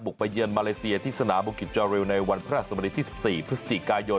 บุกประเยินมาเลเซียที่สนามบุกกิจจอเรียลในวันพระสมดิตที่๑๔พฤศจิกายน